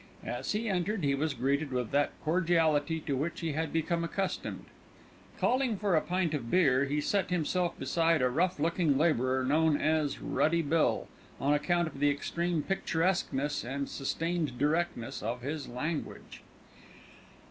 As he entered he was greeted with that cordiality to which he had become accustomed. Calling for a pint of beer, he seated himself beside a rough looking labourer known as "Ruddy" Bill, on account of the extreme picturesqueness and sustained directness of his language.